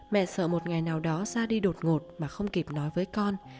mẹ sợ một ngày nào đó ra đi đột ngột mà không kịp nói với con